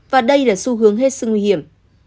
và đây là xu hướng hết sức nguy hiểm